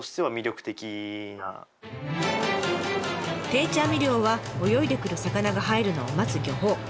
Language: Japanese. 定置網漁は泳いでくる魚が入るのを待つ漁法。